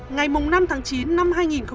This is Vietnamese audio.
ngày năm tháng chín năm hai nghìn một mươi chín